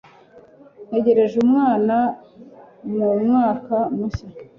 Ntegereje umwana mumwaka mushya!